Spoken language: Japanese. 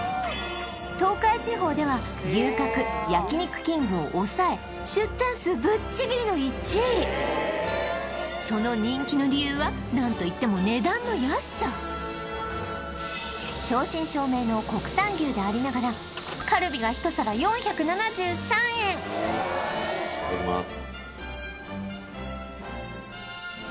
東海地方では牛角焼肉きんぐを抑え出店数ぶっちぎりの１位その人気の理由はなんといっても値段の安さ正真正銘の国産牛でありながらカルビが１皿４７３円いただきます